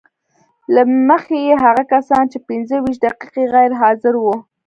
له مخې یې هغه کسان چې پنځه ویشت دقیقې غیر حاضر وو